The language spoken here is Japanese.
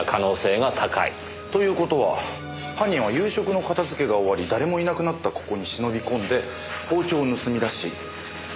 ということは犯人は夕食の片づけが終わり誰もいなくなったここに忍び込んで包丁を盗み出し。